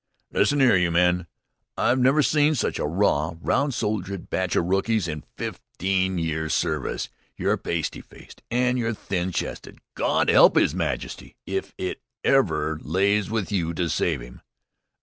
"Lissen 'ere, you men! I've never saw such a raw, roun' shouldered batch o' rookies in fifteen years' service. Yer pasty faced an' yer thin chested. Gawd 'elp 'Is Majesty if it ever lays with you to save 'im!